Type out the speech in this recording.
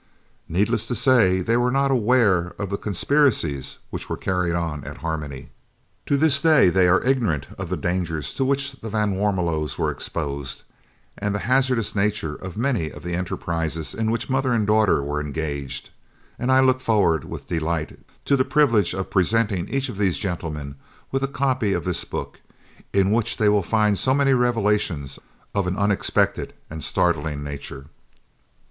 Needless to say, they were not aware of the conspiracies which were carried on at Harmony; to this day they are ignorant of the dangers to which the van Warmelos were exposed and the hazardous nature of many of the enterprises in which mother and daughter were engaged, and I look forward with delight to the privilege of presenting each of these gentlemen with a copy of this book, in which they will find so many revelations of an unexpected and startling nature.